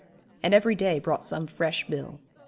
And every day brought some fresh bill.